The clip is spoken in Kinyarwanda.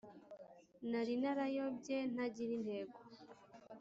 nari narayobye ntagira intego,